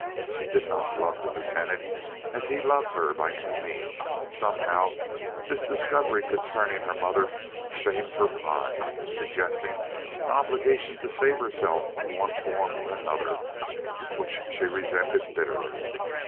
She did not love the Lieutenant as he loved her by any means, and somehow this discovery concerning her mother shamed her pride, suggesting an obligation to save herself in one form or another, which she resented bitterly.